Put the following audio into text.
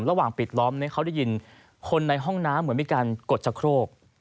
ระหว่างปิดล้อมเขาได้ยินคนในห้องน้ำเหมือนมีการกดชะโครก